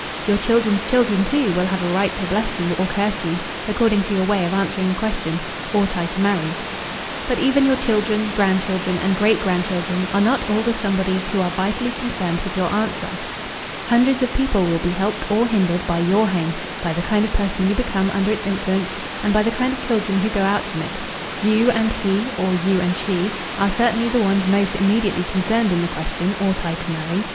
Your children's children, too, will have a right to bless you or curse you, according to your way of answering the question, "Ought I to marry?" But even your children, grandchildren, and great grandchildren are not all the somebodies who are vitally concerned with your answer. Hundreds of people will be helped or hindered by your home, by the kind of person you become under its influence, and by the kind of children who go out from it. You and "he," or you and "she," are certainly the ones most immediately concerned in the question "Ought I to marry?"